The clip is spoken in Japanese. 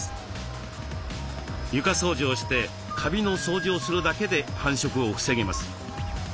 床掃除をしてカビの掃除をするだけで繁殖を防げます。